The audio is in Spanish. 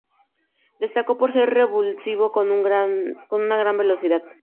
Destacó por ser un revulsivo con una gran velocidad.